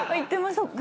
そっか。